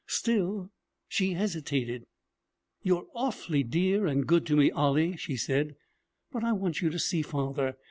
Still, she hesitated. 'You're awfully dear and good to me, Ollie,' she said. 'But I want you to see father.